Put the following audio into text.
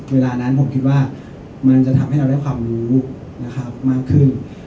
เวลานั้นผมคิดว่ามันจะทำให้เราได้ความรู้นะครับมากขึ้น